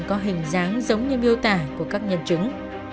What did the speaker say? có hình dáng giống như biêu tả của các nhân trứng